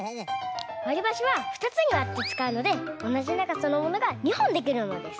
わりばしはふたつにわってつかうのでおなじながさのものが２ほんできるのです。